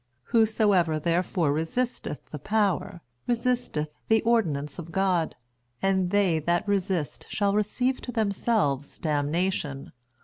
Whosoever therefore resisteth the power, resisteth the ordinance of God: and they that resist shall receive to themselves damnation.